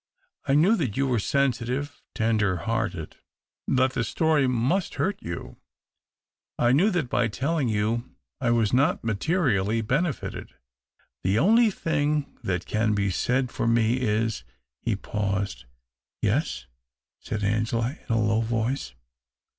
I knew that you were sensitive, tender hearted — that the story must hurt you. I knew that by telling you I was not materially benefited. The only thing that can be said for me IS He paused. " Yes ?" said Angela, in a low voice.